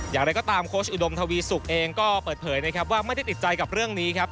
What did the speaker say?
อย่างไรก็ตามโค้ชอุดมทวีสุกเองก็เปิดเผยนะครับว่าไม่ได้ติดใจกับเรื่องนี้ครับ